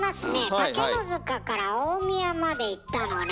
竹の塚から大宮まで行ったのね。